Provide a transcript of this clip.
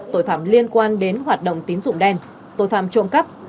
tội phạm liên quan đến hoạt động tín dụng đen tội phạm trộm cắp